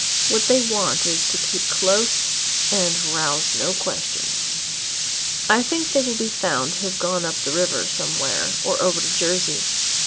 What they want is too keep close and rouse no questions. I think they will be found to have gone up the river somewhere, or over to Jersey.